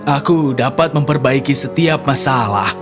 aku dapat memperbaiki setiap masalah